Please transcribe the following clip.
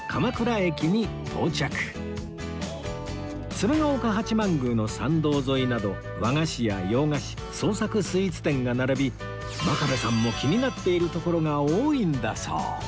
鶴岡八幡宮の参道沿いなど和菓子や洋菓子創作スイーツ店が並び真壁さんも気になっている所が多いんだそう